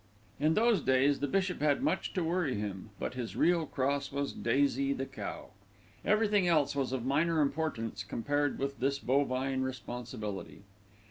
In those days the bishop had much to worry him; but his real cross was Daisy, the cow. Everything else was of minor importance compared with this bovine responsibility.